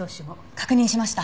確認しました。